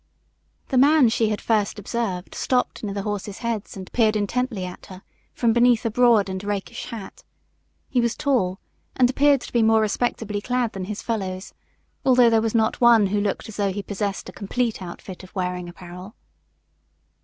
The man she had first observed stopped near the horses' heads and peered intently at her from beneath a broad and rakish hat. He was tall and appeared to be more respectably clad than his fellows, although there was not one who looked as though he possessed a complete outfit of wearing apparel.